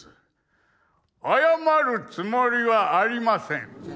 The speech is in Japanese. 謝るつもりはありません。